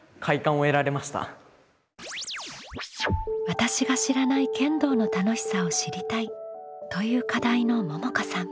「私が知らない剣道の楽しさを知りたい」という課題のももかさん。